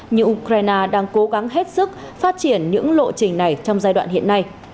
nhưng ukraine đang cố gắng hết sức phát triển những lộ trình này trong giai đoạn hiện nay